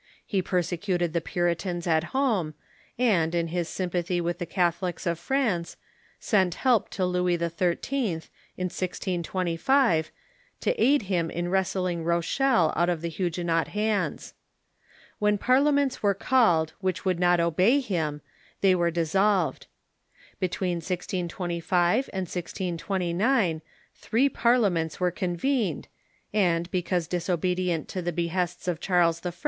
He persecuted the Puritans at home, and, in his sympathy with the Catholics of France, sent help to Louis XHI., in 1025, to aid him in wresting Rochelle out of the Huguenot hands. When parliaments were called which would not obey him, they were dissolved. IJetween 1625 and 1629 three parliaments were con vened, and, because disobedient to the behests of Charles I.